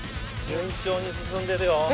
順調に進んでるよ。